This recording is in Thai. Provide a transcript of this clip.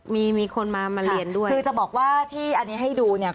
มีมีคนมามาเรียนด้วยคือจะบอกว่าที่อันนี้ให้ดูเนี่ย